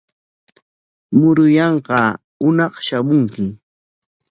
Muruyanqaa hunaq shamunki.